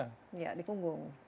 ya di punggung